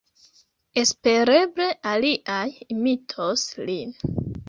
Espereble aliaj imitos lin!